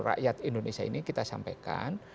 rakyat indonesia ini kita sampaikan